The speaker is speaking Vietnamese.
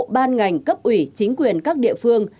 ban ngành cấp ủy chính quyền các địa phương